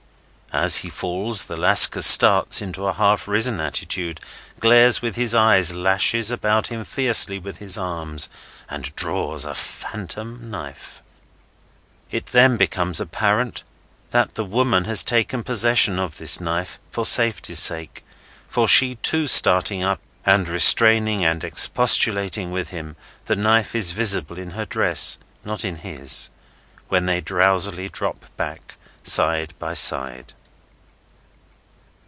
As he falls, the Lascar starts into a half risen attitude, glares with his eyes, lashes about him fiercely with his arms, and draws a phantom knife. It then becomes apparent that the woman has taken possession of this knife, for safety's sake; for, she too starting up, and restraining and expostulating with him, the knife is visible in her dress, not in his, when they drowsily drop back, side by side.